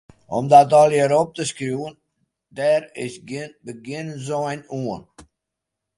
Om dat allegearre op te skriuwen, dêr is gjin begjinnensein oan.